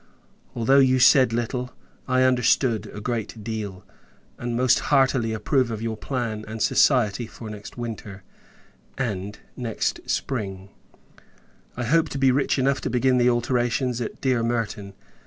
Although you said little, I understood a great deal, and most heartily approve of your plan and society for next winter; and, next spring, I hope to be rich enough to begin the alterations at dear Merton.